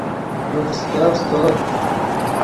ڤے فسکف سیتور